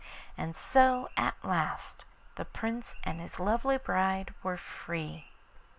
And so at last the Prince and his lovely Bride were free.